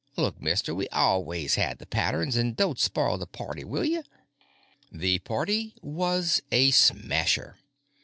Look, mister, we always had the patterns, an' don't spoil the party, will ya? The party was a smasher.